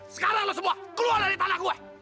sekarang lo semua keluar dari tanah gue